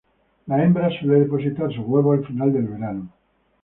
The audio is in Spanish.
La hembra suele depositar sus huevos al final del verano.